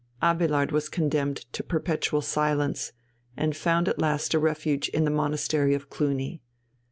Abélard was condemned to perpetual silence, and found a last refuge in the monastery of Cluny.